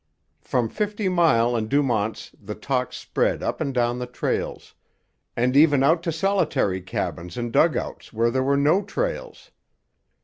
From Fifty Mile and Dumont's the talk spread up and down the trails, and even out to solitary cabins and dugouts where there were no trails.